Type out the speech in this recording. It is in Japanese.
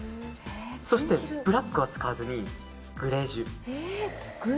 そしてブラックは使わずにグレージュ。